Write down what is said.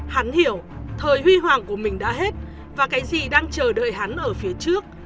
hắn hiểu thời huy hoàng của mình đã hết và cái gì đang chờ đợi hắn ở phía trước